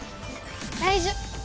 大丈夫。